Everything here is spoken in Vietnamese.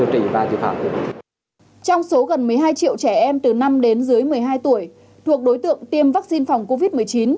trong số gần một mươi hai triệu trẻ em từ năm đến dưới một mươi hai tuổi thuộc đối tượng tiêm vaccine phòng covid một mươi chín